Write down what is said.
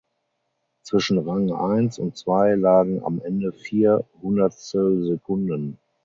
Zwischen Rang eins und zwei lagen am Ende vier Hundertstelsekunden.